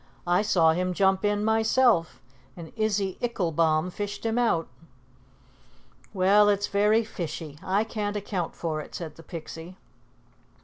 "I saw him jump in myself, and Izzy Icklebaum fished him out." "Well, it's very fishy! I can't account for it," said the Pixie.